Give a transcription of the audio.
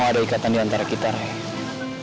gue mau ada ikatan diantara kita rey